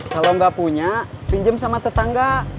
kalau nggak punya pinjam sama tetangga